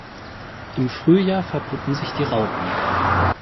Im Frühjahr verpuppen sich die Raupen.